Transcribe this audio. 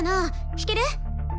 弾ける？